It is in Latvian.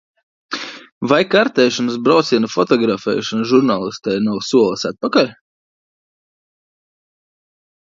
Vai kartēšanas brauciena fotografēšana žurnālistei nav solis atpakaļ?